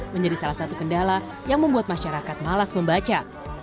menjadi salah satu kendala yang membuat masyarakat malas membaca